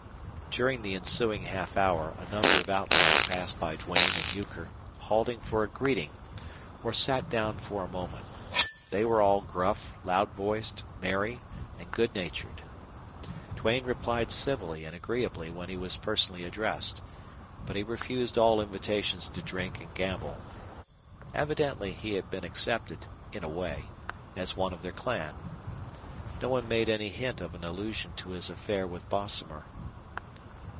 During the ensuing half hour a number of outlaws passed by Duane and Euchre, halted for a greeting or sat down for a moment. They were all gruff, loud voiced, merry, and good natured. Duane replied civilly and agreeably when he was personally addressed; but he refused all invitations to drink and gamble. Evidently he had been accepted, in a way, as one of their clan. No one made any hint of an allusion to his affair with Bosomer.